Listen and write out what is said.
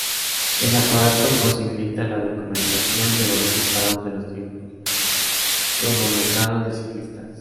El aparato posibilita la documentación de los resultados, de los tiempos cronometrados de ciclistas.